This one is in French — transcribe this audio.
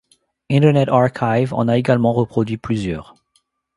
Internet Archive en a également reproduit plusieurs.